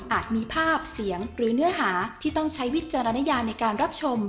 มีภาพเสียงหรือเนื้อหาที่ต้องใช้วิจารณญาในการรับชม